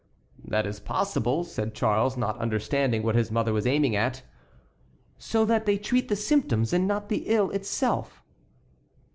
"That is possible," said Charles, not understanding what his mother was aiming at. "So that they treat the symptoms and not the ill itself."